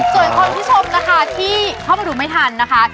ส่วนคนที่ชมนะคะที่เข้าไปดูไม่ทันนะคะ